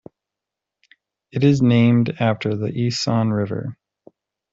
It is named after the Essonne River.